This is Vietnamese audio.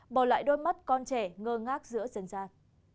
bỏ lại đôi mắt con trẻ ngơ ngác giữa dân gian